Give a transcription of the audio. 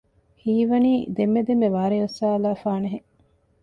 ހީވަނީ ހަމަ ދެންމެ ދެންމެ ވާރޭ އޮއްސާލައިފާނެ ހެން